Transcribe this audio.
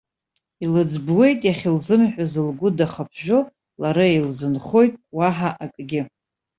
Илыӡбуеит, иахьылзымҳәаз лгәы дахаԥжәо лара илзынхоит, уаҳа акгьы.